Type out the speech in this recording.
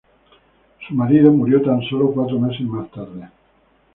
Su marido murió tan sólo cuatro meses más tarde.